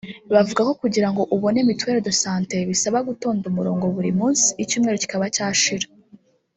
Bavuga ko kugira ngo ubone mituelle de santé bisaba gutonda umurongo buri munsi icyumweru kikaba cyashira